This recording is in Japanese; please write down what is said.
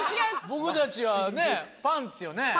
僕たちはね「パンツ」よね。